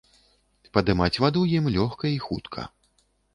Падымаць ваду ім лёгка і хутка.